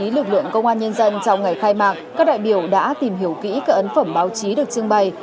báo chí lực lượng công an nhân dân trong ngày khai mạng các đại biểu đã tìm hiểu kỹ các ấn phẩm báo chí được trưng bày